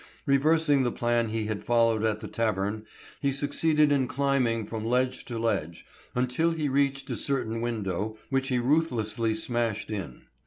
Reversing the plan he had followed at the tavern, he succeeded in climbing from ledge to ledge, until he reached a certain window which he ruthlessly smashed in.